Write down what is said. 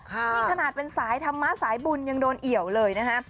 นี่ขนาดเป็นสายธรรมะสายบุญยังโดนเอี่ยวเลยนะฮะ